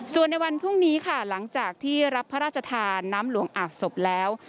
ส่วนในวันพรุ่งนี้ค่ะหลังจากที่รับพระราชทานน้ำหลวงอาบศพแล้ว